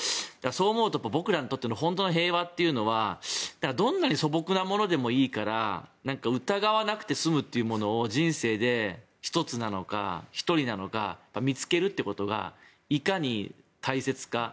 そう思うと僕らにとっての本当の平和というのはどんなに素朴なものでもいいから疑わなくて済むというものを人生で１つなのか１人なのか見つけるっていうことがいかに大切か。